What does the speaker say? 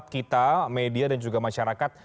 kita media dan juga masyarakat